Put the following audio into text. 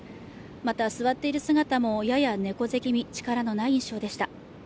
また座っている姿もやや猫背ぎみ、力のないようでした。